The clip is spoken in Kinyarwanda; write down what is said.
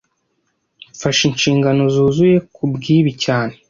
Mfashe inshingano zuzuye kubwibi cyane